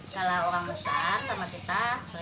kalau orang besar sama kita seribu